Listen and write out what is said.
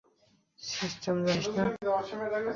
System জানিস না?